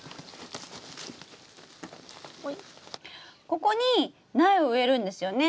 ここに苗を植えるんですよね？